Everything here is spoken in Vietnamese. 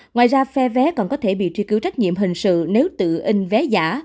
ngoài ra phe vé còn có thể bị truy cứu trách nhiệm hình sự nếu tự in vé giả